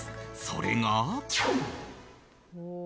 それが。